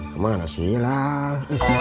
kemana sih hilal